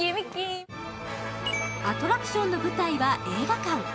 アトラクションの舞台は映画館。